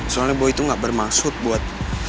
soalnya boy tuh gak bermaksud buat